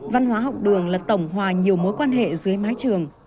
văn hóa học đường là tổng hòa nhiều mối quan hệ dưới mái trường